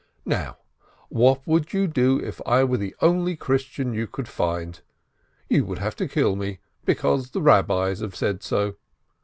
Now, what would you do if I were the only Christian you could find ? You would have to kill me, because the Eabbis have said so.